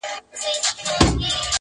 لوبي له لمبو سره بل خوند لري-